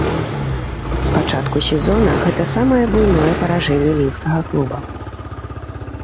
З пачатку сезона гэта самае буйное паражэнне мінскага клуба.